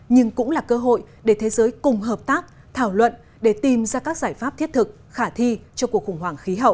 nhưng cũng là cơ hội để thế giới cùng hợp tác thảo luận để tìm ra các giải pháp thiết thực khả thi cho cuộc khủng hoảng khí hậu